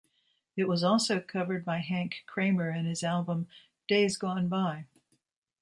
It was also covered by Hank Cramer in his album, "Days Gone By".